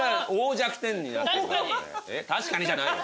「確かに」じゃない。